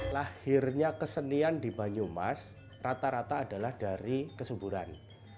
lahirnya kesenian di banyumas rata rata adalah dari kesuburan